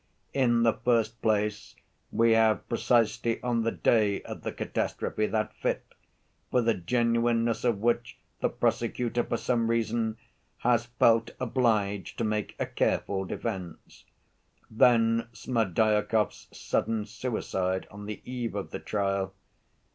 In the first place we have precisely on the day of the catastrophe that fit, for the genuineness of which the prosecutor, for some reason, has felt obliged to make a careful defense. Then Smerdyakov's sudden suicide on the eve of the trial.